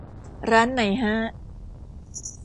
ร้านไหนฮะ